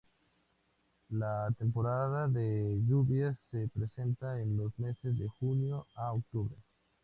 La temporada de lluvias se presenta en los meses de junio a octubre.